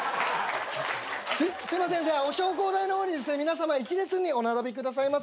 すいませんじゃあお焼香台の方に皆さま１列にお並びくださいませ。